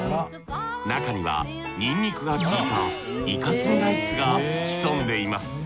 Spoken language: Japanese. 中にはニンニクが効いたイカスミライスが潜んでいます。